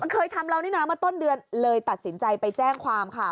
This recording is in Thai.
เคยทำเรานี่นะเมื่อต้นเดือนเลยตัดสินใจไปแจ้งความค่ะ